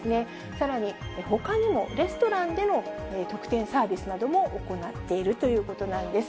さらにほかにも、レストランでの特典サービスなども行っているということなんです。